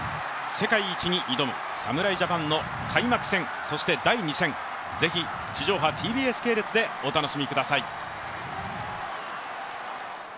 世界一に挑む侍ジャパンの開幕戦、そして第２戦、ぜひ地上波ＴＢＳ系列でお楽しみください。